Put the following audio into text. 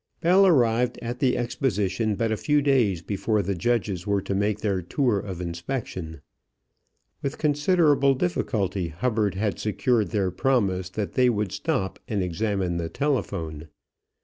Bell arrived at the exposition but a few days before the judges were to make their tour of inspection. With considerable difficulty Hubbard had secured their promise that they would stop and examine the telephone.